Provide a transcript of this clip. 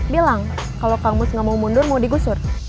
bilang kalau kang mus gak mau mundur mau digusur